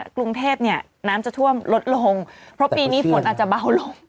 กรุงเทพเนี่ยน้ำจะท่วมลดลงเพราะปีนี้ฝนอาจจะเบาลง